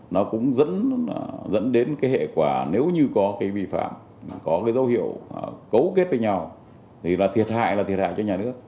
nó cũng dẫn đến cái hệ quả nếu như có cái vi phạm có cái dấu hiệu cấu kết với nhau thì là thiệt hại là thiệt hại cho nhà nước